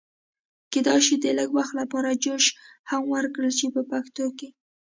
کېدای شي د لږ وخت لپاره جوش هم ورکړل شي په پښتو کې.